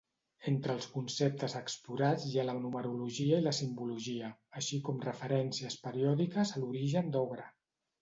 Entre els conceptes explorats hi ha la numerologia i la simbologia, així com referències periòdiques a l'origen d'Aughra.